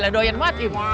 aduh doyan banget ibu